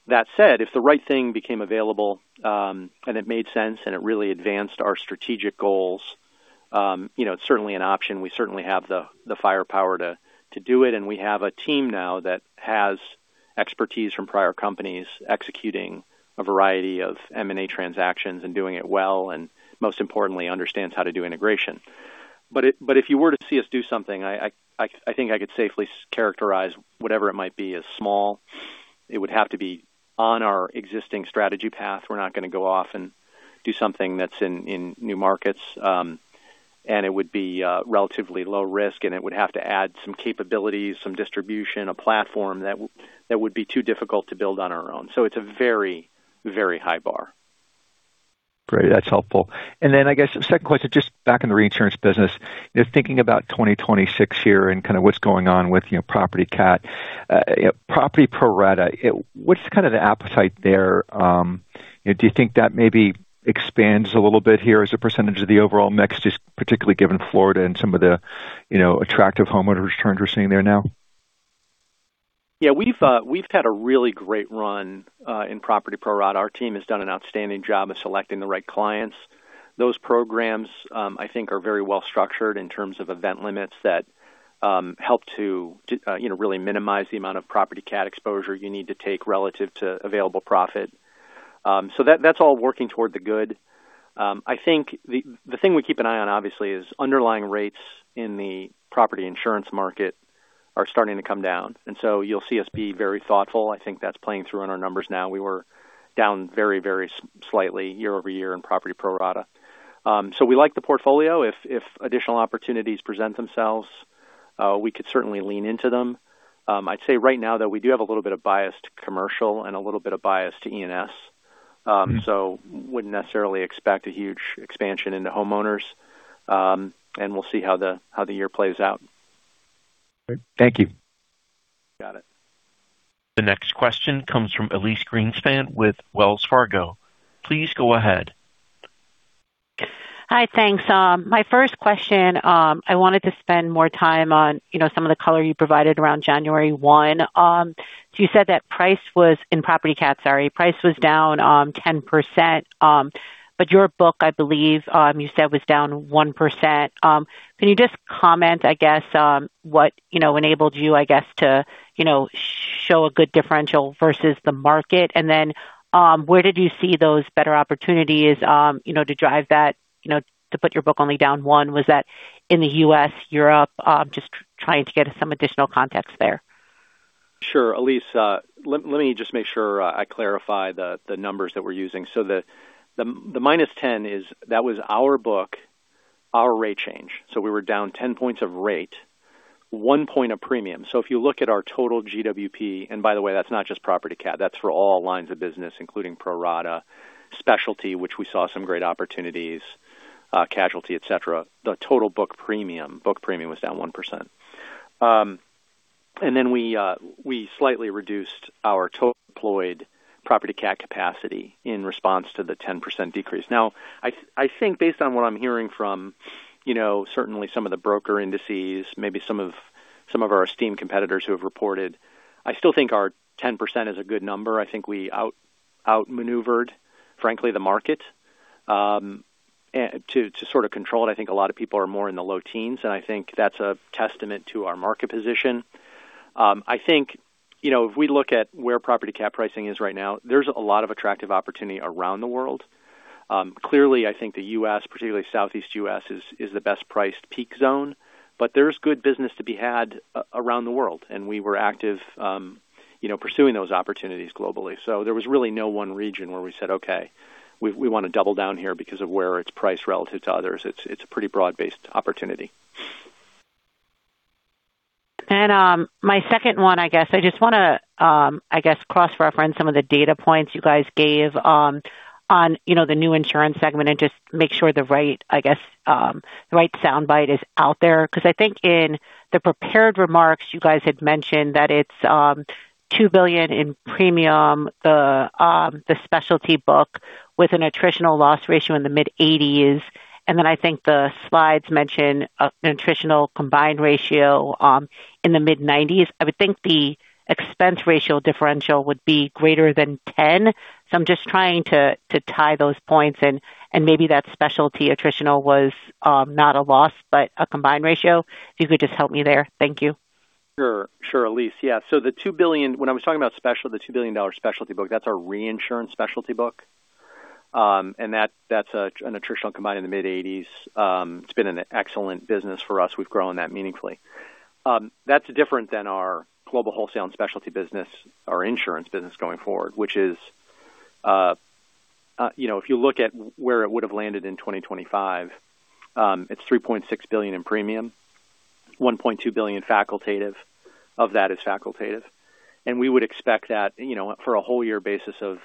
That said, if the right thing became available and it made sense and it really advanced our strategic goals, it's certainly an option. We certainly have the firepower to do it. And we have a team now that has expertise from prior companies executing a variety of M&A transactions and doing it well and, most importantly, understands how to do integration. If you were to see us do something, I think I could safely characterize whatever it might be as small. It would have to be on our existing strategy path. We're not going to go off and do something that's in new markets. It would be relatively low risk. It would have to add some capabilities, some distribution, a platform that would be too difficult to build on our own. So it's a very, very high bar. Great. That's helpful. And then I guess second question, just back in the reinsurance business, thinking about 2026 here and kind of what's going on with property CAT, property pro rata, what's kind of the appetite there? Do you think that maybe expands a little bit here as a percentage of the overall mix, just particularly given Florida and some of the attractive homeowner returns we're seeing there now? Yeah, we've had a really great run in property pro rata. Our team has done an outstanding job of selecting the right clients. Those programs, I think, are very well-structured in terms of event limits that help to really minimize the amount of property CAT exposure you need to take relative to available profit. So that's all working toward the good. I think the thing we keep an eye on, obviously, is underlying rates in the property insurance market are starting to come down. And so you'll see us be very thoughtful. I think that's playing through in our numbers now. We were down very, very slightly year-over-year in property pro rata. So we like the portfolio. If additional opportunities present themselves, we could certainly lean into them. I'd say right now, though, we do have a little bit of bias to commercial and a little bit of bias to E&S. So wouldn't necessarily expect a huge expansion into homeowners. And we'll see how the year plays out. Great. Thank you. Got it. The next question comes from Elyse Greenspan with Wells Fargo. Please go ahead. Hi. Thanks. My first question, I wanted to spend more time on some of the color you provided around January 1. So you said that price was in property CAT, sorry, price was down 10%. But your book, I believe you said was down 1%. Can you just comment, I guess, what enabled you, I guess, to show a good differential versus the market? And then where did you see those better opportunities to drive that to put your book only down 1%? Was that in the US, Europe? Just trying to get some additional context there. Sure, Elyse. Let me just make sure I clarify the numbers that we're using. So the -10, that was our book, our rate change. So we were down 10 points of rate, 1 point of premium. So if you look at our total GWP and by the way, that's not just property CAT. That's for all lines of business, including pro rata, specialty, which we saw some great opportunities, casualty, etc. The total book premium was down 1%. And then we slightly reduced our total employed property CAT capacity in response to the 10% decrease. Now, I think based on what I'm hearing from certainly some of the broker indices, maybe some of our esteemed competitors who have reported, I still think our 10% is a good number. I think we outmaneuvered, frankly, the market to sort of control it. I think a lot of people are more in the low teens. I think that's a testament to our market position. I think if we look at where property CAT pricing is right now, there's a lot of attractive opportunity around the world. Clearly, I think the U.S., particularly Southeast U.S., is the best-priced peak zone. But there's good business to be had around the world. We were actively pursuing those opportunities globally. So there was really no one region where we said, "Okay, we want to double down here because of where it's priced relative to others." It's a pretty broad-based opportunity. My second one, I guess, I just want to, I guess, cross-reference some of the data points you guys gave on the new insurance segment and just make sure the right, I guess, the right sound bite is out there. Because I think in the prepared remarks, you guys had mentioned that it's $2 billion in premium, the specialty book with an attritional loss ratio in the mid-80s%. And then I think the slides mention an attritional combined ratio in the mid-90s%. I would think the expense ratio differential would be greater than 10%. So I'm just trying to tie those points. And maybe that specialty attritional was not a loss but a combined ratio. If you could just help me there. Thank you. Sure, Elyse. Yeah. So the $2 billion, when I was talking about specialty, the $2 billion specialty book, that's our reinsurance specialty book. And that's an attritional combined in the mid-80s. It's been an excellent business for us. We've grown that meaningfully. That's different than our global wholesale and specialty business, our insurance business going forward, which is if you look at where it would have landed in 2025, it's $3.6 billion in premium, $1.2 billion facultative. Of that is facultative. And we would expect that for a whole-year basis of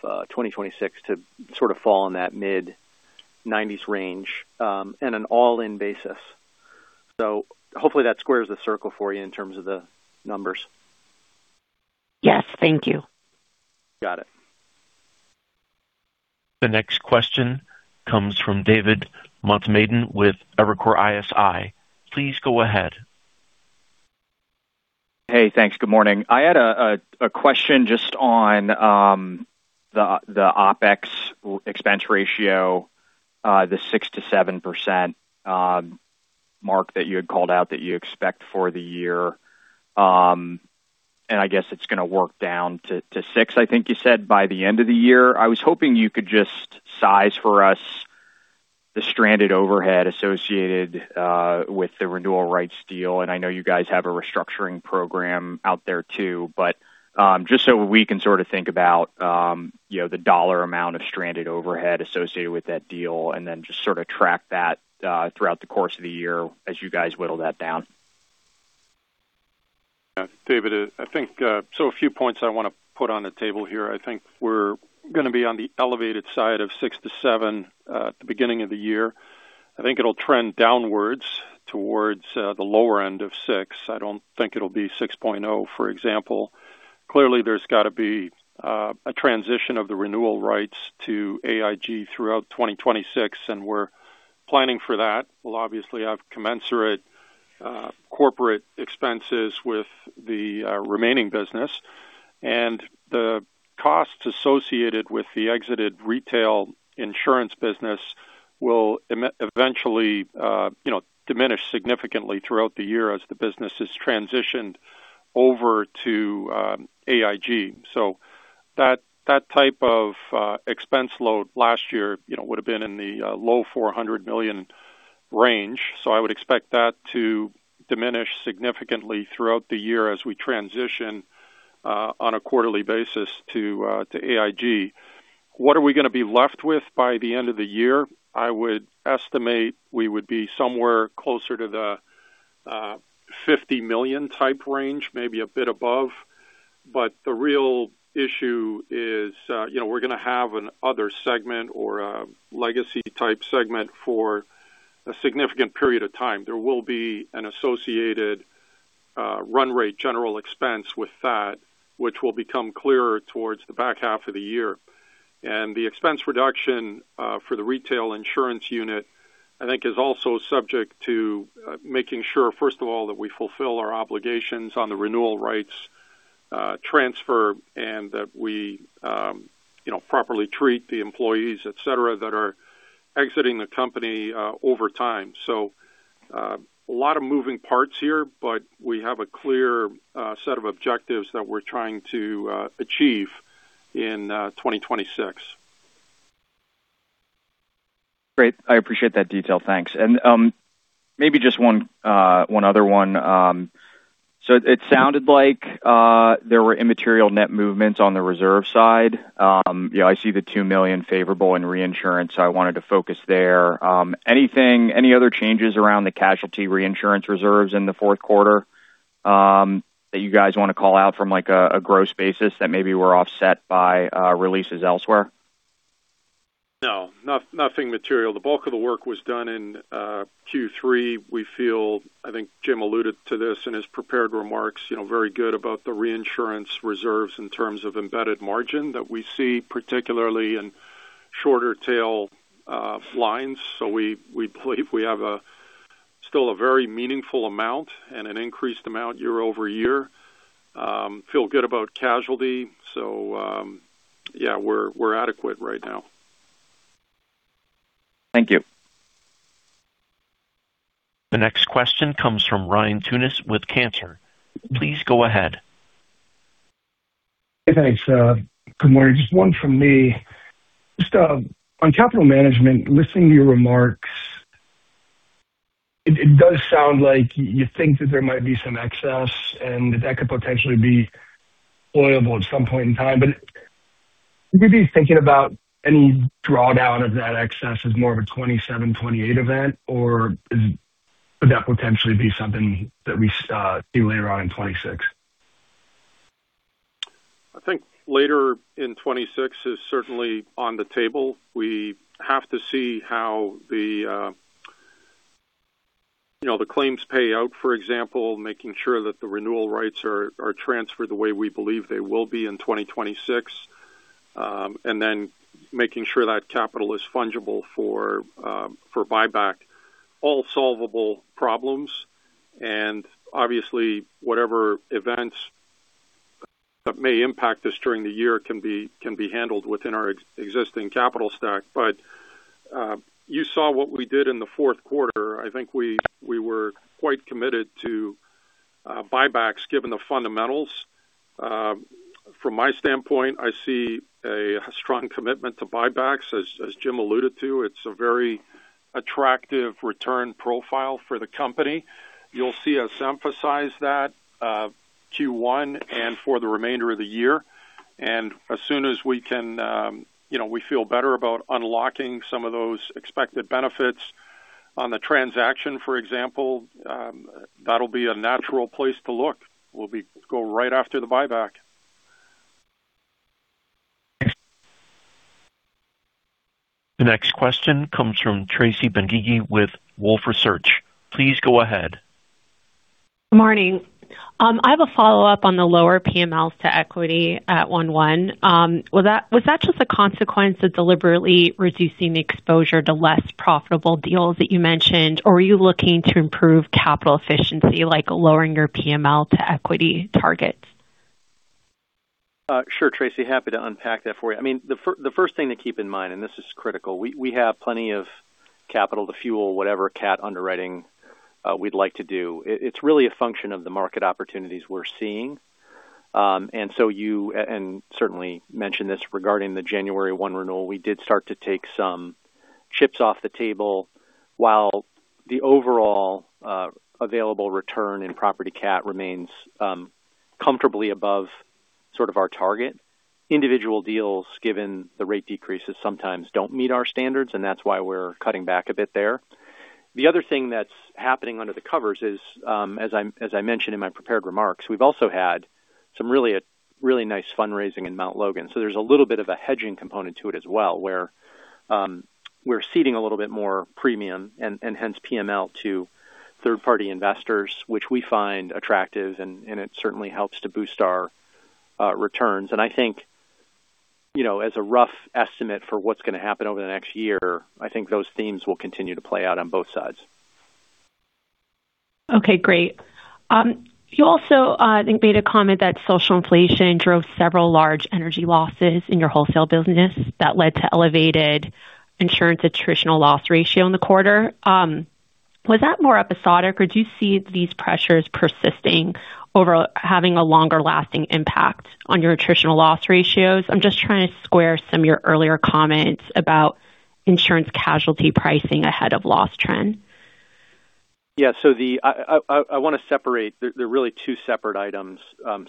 2026 to sort of fall in that mid-90s range and an all-in basis. So hopefully, that squares the circle for you in terms of the numbers. Yes. Thank you. Got it. The next question comes from David Motemaden with Evercore ISI. Please go ahead. Hey, thanks. Good morning. I had a question just on the OpEx expense ratio, the 6%-7% mark that you had called out that you expect for the year. And I guess it's going to work down to 6%, I think you said, by the end of the year. I was hoping you could just size for us the stranded overhead associated with the renewal rights deal. And I know you guys have a restructuring program out there too. But just so we can sort of think about the dollar amount of stranded overhead associated with that deal and then just sort of track that throughout the course of the year as you guys whittle that down. Yeah, David, I think so a few points I want to put on the table here. I think we're going to be on the elevated side of 6-7 at the beginning of the year. I think it'll trend downwards towards the lower end of 6. I don't think it'll be 6.0, for example. Clearly, there's got to be a transition of the renewal rights to AIG throughout 2026. And we're planning for that. We'll obviously have commensurate corporate expenses with the remaining business. And the costs associated with the exited retail insurance business will eventually diminish significantly throughout the year as the business has transitioned over to AIG. So that type of expense load last year would have been in the low $400 million range. So I would expect that to diminish significantly throughout the year as we transition on a quarterly basis to AIG. What are we going to be left with by the end of the year? I would estimate we would be somewhere closer to the $50 million type range, maybe a bit above. But the real issue is we're going to have another segment or a legacy-type segment for a significant period of time. There will be an associated run rate general expense with that, which will become clearer towards the back half of the year. And the expense reduction for the retail insurance unit, I think, is also subject to making sure, first of all, that we fulfill our obligations on the renewal rights transfer and that we properly treat the employees, etc., that are exiting the company over time. So a lot of moving parts here. But we have a clear set of objectives that we're trying to achieve in 2026. Great. I appreciate that detail. Thanks. And maybe just one other one. So it sounded like there were immaterial net movements on the reserve side. I see the $2 million favorable in reinsurance. So I wanted to focus there. Any other changes around the casualty reinsurance reserves in the fourth quarter that you guys want to call out from a gross basis that maybe were offset by releases elsewhere? No, nothing material. The bulk of the work was done in Q3. We feel, I think Jim alluded to this in his prepared remarks, very good about the reinsurance reserves in terms of embedded margin that we see, particularly in shorter tail lines. So we believe we have still a very meaningful amount and an increased amount year-over-year. Feel good about casualty. So yeah, we're adequate right now. Thank you. The next question comes from Ryan Tunis with Cantor. Please go ahead. Hey, thanks. Good morning. Just one from me. Just on capital management, listening to your remarks, it does sound like you think that there might be some excess and that that could potentially be pliable at some point in time. But would you be thinking about any drawdown of that excess as more of a 2027, 2028 event? Or could that potentially be something that we see later on in 2026? I think later in 2026 is certainly on the table. We have to see how the claims pay out, for example, making sure that the renewal rights are transferred the way we believe they will be in 2026, and then making sure that capital is fungible for buyback, all solvable problems. Obviously, whatever events that may impact us during the year can be handled within our existing capital stack. But you saw what we did in the fourth quarter. I think we were quite committed to buybacks given the fundamentals. From my standpoint, I see a strong commitment to buybacks, as Jim alluded to. It's a very attractive return profile for the company. You'll see us emphasize that Q1 and for the remainder of the year. As soon as we can we feel better about unlocking some of those expected benefits on the transaction, for example, that'll be a natural place to look. We'll go right after the buyback. Thanks. The next question comes from Tracy Benguigui with Wolfe Research. Please go ahead. Good morning. I have a follow-up on the lower PMLs to equity at 1/1. Was that just a consequence of deliberately reducing exposure to less profitable deals that you mentioned? Or were you looking to improve capital efficiency, like lowering your PML to equity targets? Sure, Tracy. Happy to unpack that for you. I mean, the first thing to keep in mind, and this is critical, we have plenty of capital to fuel whatever CAT underwriting we'd like to do. It's really a function of the market opportunities we're seeing. And so you certainly mentioned this regarding the January 1 renewal. We did start to take some chips off the table while the overall available return in property CAT remains comfortably above sort of our target. Individual deals, given the rate decreases, sometimes don't meet our standards. And that's why we're cutting back a bit there. The other thing that's happening under the covers is, as I mentioned in my prepared remarks, we've also had some really nice fundraising in Mount Logan. There's a little bit of a hedging component to it as well where we're ceding a little bit more premium and hence PML to third-party investors, which we find attractive. It certainly helps to boost our returns. I think as a rough estimate for what's going to happen over the next year, I think those themes will continue to play out on both sides. Okay, great. You also made a comment that social inflation drove several large energy losses in your wholesale business that led to elevated insurance attritional loss ratio in the quarter. Was that more episodic, or do you see these pressures persisting over having a longer-lasting impact on your attritional loss ratios? I'm just trying to square some of your earlier comments about insurance casualty pricing ahead of loss trend. Yeah. So I want to separate. They're really two separate items.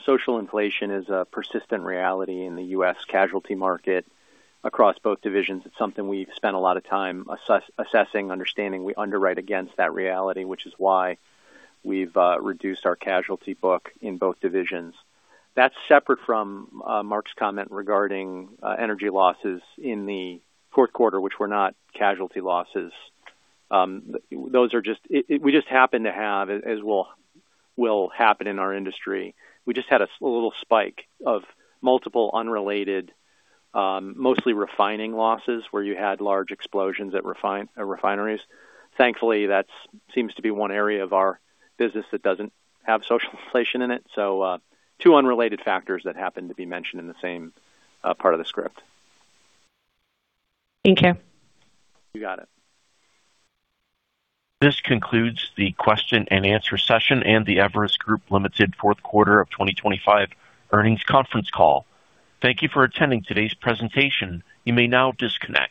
Social inflation is a persistent reality in the U.S. casualty market across both divisions. It's something we've spent a lot of time assessing, understanding. We underwrite against that reality, which is why we've reduced our casualty book in both divisions. That's separate from Mark's comment regarding energy losses in the fourth quarter, which were not casualty losses. We just happen to have, as will happen in our industry, we just had a little spike of multiple unrelated, mostly refining losses where you had large explosions at refineries. Thankfully, that seems to be one area of our business that doesn't have social inflation in it. So two unrelated factors that happened to be mentioned in the same part of the script. Thank you. You got it. This concludes the question-and-answer session and the Everest Group, Ltd. fourth quarter of 2025 earnings conference call. Thank you for attending today's presentation. You may now disconnect.